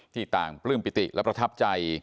ต่างปลื้มปิติและประทับใจ